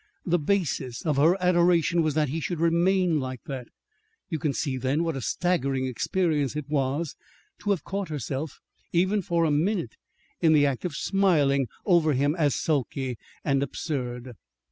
The basis of her adoration was that he should remain like that. You can see then what a staggering experience it was to have caught herself, even for a minute, in the act of smiling over him as sulky and absurd.